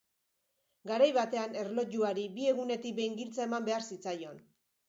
Garai batean erlojuari bi egunetik behin giltza eman behar zitzaion.